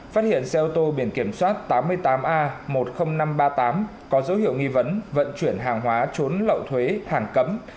phát hiện xe ô tô biển kiểm soát tám mươi tám a một mươi nghìn năm trăm ba mươi tám có dấu hiệu nghi vấn vận chuyển hàng hóa trốn lậu thuế hàng cấm